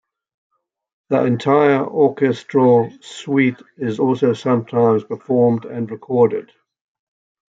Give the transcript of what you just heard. The entire orchestral suite is also sometimes performed and recorded.